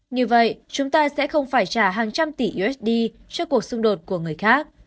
như vậy chúng ta sẽ không phải trả hàng trăm tỷ usd cho cuộc xung đột của người khác